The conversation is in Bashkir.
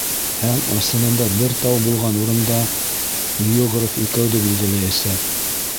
Һәм, ысынында бер тау булған урында, географ икәүҙе билдәләйәсәк.